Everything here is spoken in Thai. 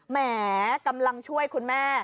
แหมกำลังช่วยคุณแม่